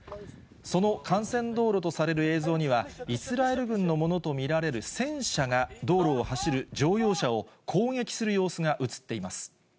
その幹線道路とされる映像には、イスラエル軍のものと見られる戦車が道路を走る乗用車を攻撃する様子が映っています。